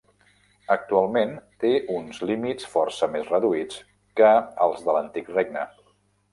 Actualment, té uns límits força més reduïts que els de l'antic regne.